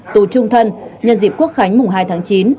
tù trung thân nhân dịp quốc khánh mùng hai tháng chín